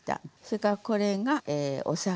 それからこれがお酒。